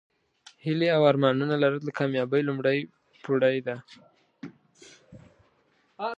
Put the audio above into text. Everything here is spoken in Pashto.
هیلې او ارمانونه لرل د کامیابۍ لومړۍ پوړۍ ده.